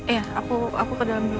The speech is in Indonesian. iya aku ke dalam